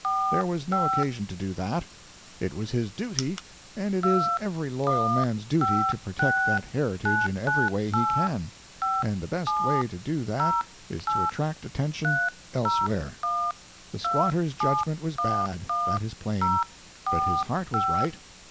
There was no occasion to do that. It was his duty, and it is every loyal man's duty to protect that heritage in every way he can; and the best way to do that is to attract attention elsewhere. The squatter's judgment was bad that is plain; but his heart was right.